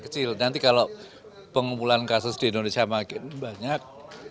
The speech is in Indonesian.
kecil nanti kalau pengumpulan kasus di indonesia makin banyak